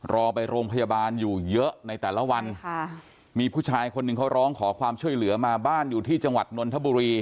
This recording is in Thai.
รอไปโรงพยาบาลอยู่เยอะในแต่ละวันมีผู้ชายคนหนึ่งเขาร้องขอความช่วยเหลือมาบ้านอยู่ที่จังหวัดนนทบุรี